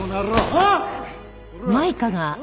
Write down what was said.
あっ。